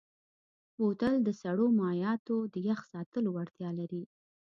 بوتل د سړو مایعاتو د یخ ساتلو وړتیا لري.